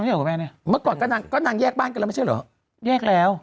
คุณแม่เนี่ยเมื่อก่อนก็นางก็นางแยกบ้านกันแล้วไม่ใช่เหรอแยกแล้ว